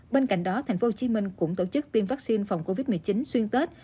bên cạnh đó tp hcm cũng tổ chức tiêm vaccine phòng covid một mươi chín xuyên tết